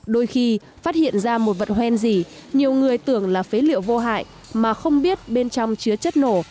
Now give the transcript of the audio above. đôi khi phát hiện ra một vật hoen gì nhiều người tưởng là phế liệu vô hại mà không biết bên trong chứa chất nổ